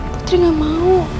putri gak mau